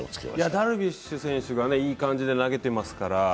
ダルビッシュ選手がいい感じで投げてますから。